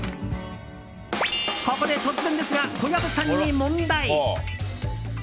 ここで突然ですが小籔さんに問題。